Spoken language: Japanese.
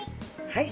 はい。